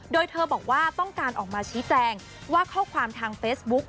โดยเธอบอกว่าต้องการออกมาชี้แจงว่าข้อความทางเฟซบุ๊ก